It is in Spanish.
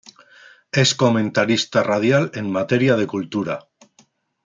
Es comentarista radial en materia de cultura.